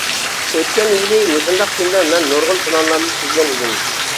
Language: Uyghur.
ئۆتكەن يىلى مۇشۇنداق كۈندە مەن نۇرغۇن پىلانلارنى تۈزگەن ئىدىم.